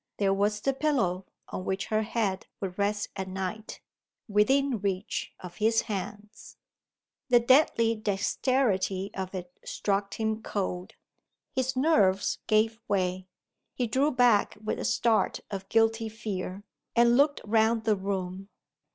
There was the pillow, on which her head would rest at night, within reach of his hands! The deadly dexterity of it struck him cold. His nerves gave way. He drew back with a start of guilty fear, and looked round the room.